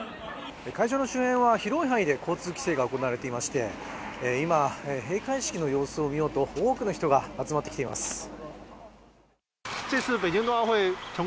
会場の周辺は広い範囲で交通規制が行われていまして今、閉会式の様子を見ようと多くの人が集まってきています。